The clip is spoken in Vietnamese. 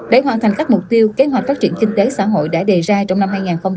để hoàn thành các mục tiêu kế hoạch phát triển kinh tế xã hội đã đề ra trong năm hai nghìn hai mươi